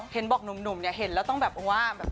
เห็นบอกหนุ่มเนี่ยเห็นแล้วต้องแบบว่าแบบ